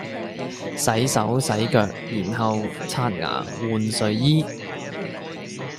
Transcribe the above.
洗手洗腳然後刷牙換睡衣